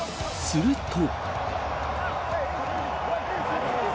すると。